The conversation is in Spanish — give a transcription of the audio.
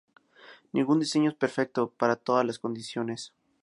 Ningún diseño es perfecto para todas las condiciones.